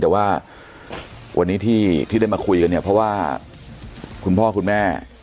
แต่ว่าวันนี้ที่ได้มาคุยกันเนี่ยเพราะว่าคุณพ่อคุณแม่